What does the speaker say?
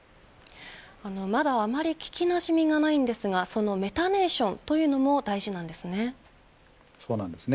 まだあまり聞きなじみがないんですがそのメタネーションというのも大事なんですね。